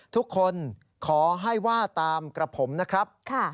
ทุกคนขอให้ว่าตามกับผมนะครับ